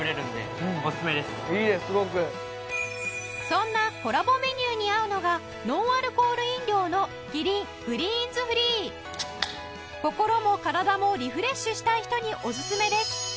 そんなコラボメニューに合うのがノンアルコール飲料の心も体もリフレッシュしたい人にオススメです